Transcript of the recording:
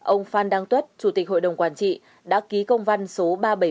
ông phan đăng tuất chủ tịch hội đồng quản trị đã ký công văn số ba trăm bảy mươi bảy